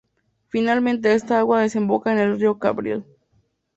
Finalmente esta agua desemboca en el Río Cabriel.